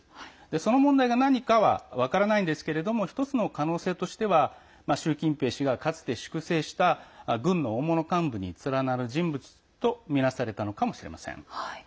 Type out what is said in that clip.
その問題が何かは分からないんですが一つの可能性としては習近平氏が、かつて粛清した軍の大物幹部に連なる人物とみなされたのかもしれません。